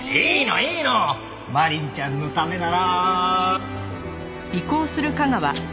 愛鈴ちゃんのためなら。